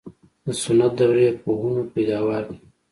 د سنت دورې پوهنو پیداوار دي.